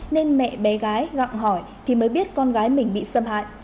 nên mẹ bé gái gặng hỏi thì mới biết con gái mình bị xâm hại